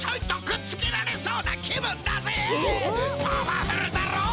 パワフルだろ？